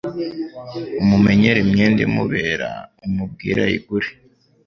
umumenyere imyenda imubera umubwire ayigure